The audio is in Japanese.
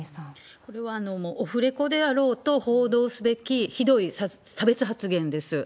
これはもうオフレコであろうと、報道すべき、ひどい差別発言です。